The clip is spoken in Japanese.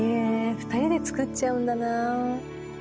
２人で作っちゃうんだな。